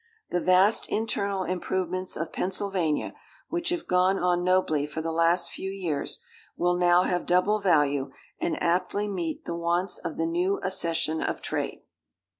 The vast internal improvements of Pennsylvania, which have gone on nobly for the last few years, will now have double value, and aptly meet the wants of the new accession of trade.